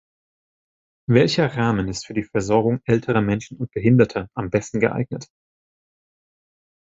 Welcher Rahmen ist für die Versorgung älterer Menschen und Behinderter am besten geeignet?